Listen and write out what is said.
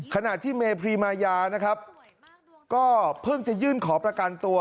ขณะที่เมพิมายาก็เพิ่งจะยื่นขอประการตัว